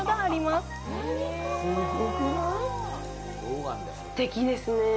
すてきですね。